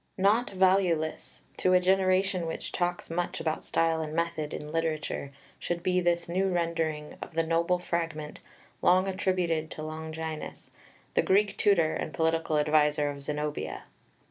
Not valueless, to a generation which talks much about style and method in literature, should be this new rendering of the noble fragment, long attributed to Longinus, the Greek tutor and political adviser of Zenobia.